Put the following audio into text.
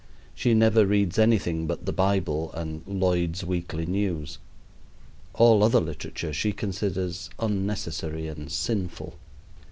She never reads anything but the Bible and Lloyd's Weekly News. All other literature she considers unnecessary and sinful.